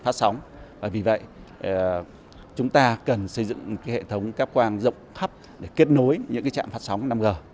phát sóng vì vậy chúng ta cần xây dựng hệ thống cáp quang rộng khắp để kết nối những trạm phát sóng năm g